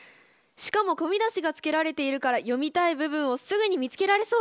しかも小見出しがつけられているから読みたい部分をすぐに見つけられそう。